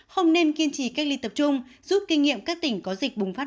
không nên kiên trì cách ly tập trung giúp kinh nghiệm các tỉnh có dịch bùng phát